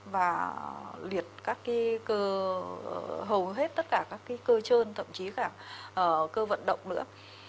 và liệt các cái hầu hết tất cả các cơ trơn thậm chí cả cơ vận động nữa